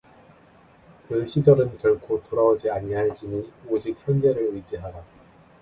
그 시절은 결코 돌아오지 아니할지니 오직 현재를 의지 하라.